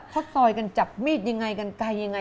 เขาต่อยกันจับมีดยังไงกันไกลยังไง